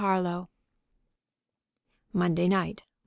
HARLOWE. _Monday night.